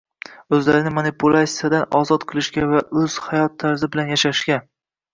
o‘zlarini manipulyatsiyadan ozod qilishga va o‘z hayot tarzi bilan yashashga